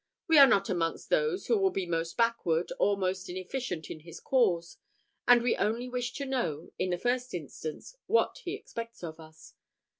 We are not amongst those who will be most backward, or most inefficient in his cause; and we only wish to know, in the first instance, what he expects of us.